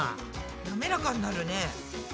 なめらかになるね。